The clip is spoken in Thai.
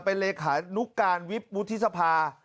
เป็นเลขานุการวิบวุฒิสภา